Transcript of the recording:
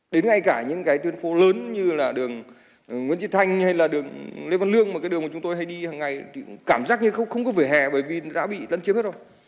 đến ngay cả những cái tuyên phố lớn như là đường nguyễn trị thanh hay là đường lê văn lương mà cái đường mà chúng tôi hay đi hằng ngày cảm giác như không có vỉa hè bởi vì đã bị lân chiếm hết rồi